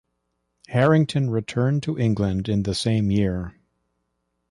Harrington returned to England in the same year.